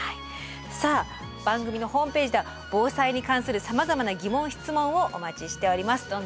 さあ番組のホームページでは防災に関するさまざまな疑問・質問をお待ちしております。